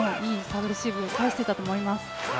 サーブレシーブを返していたと思います。